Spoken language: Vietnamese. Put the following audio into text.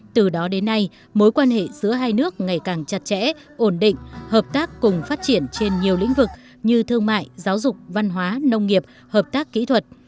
từ đó đến nay mối quan hệ giữa hai nước ngày càng chặt chẽ ổn định hợp tác cùng phát triển trên nhiều lĩnh vực như thương mại giáo dục văn hóa nông nghiệp hợp tác kỹ thuật